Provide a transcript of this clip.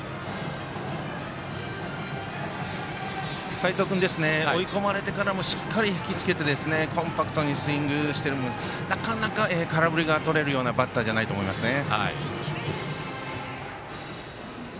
齋藤君追い込まれてからもしっかり引きつけてコンパクトにスイングしてるのでなかなか空振りがとれるようなバッターじゃないと思いますね。